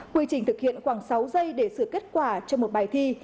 quy trình thực hiện khoảng sáu giây để sửa kết quả cho một bài thi